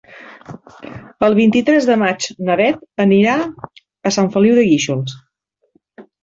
El vint-i-tres de maig na Bet anirà a Sant Feliu de Guíxols.